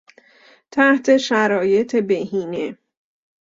تحت شرایط بهینه